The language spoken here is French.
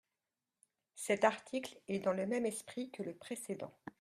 Cet article est dans le même esprit que le précédent.